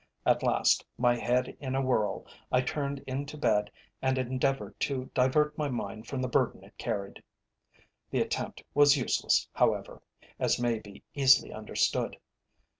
At last, my head in a whirl, I turned into bed and endeavoured to divert my mind from the burden it carried. The attempt was useless, however, as may be easily understood.